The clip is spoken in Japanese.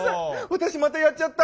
私またやっちゃった。